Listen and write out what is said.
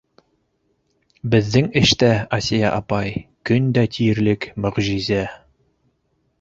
Беҙҙең эштә, Асия апай, көн дә тиерлек мөғжизә.